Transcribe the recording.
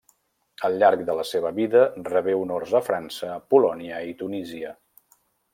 Al llarg de la seva vida rebé honors a França, Polònia i Tunísia.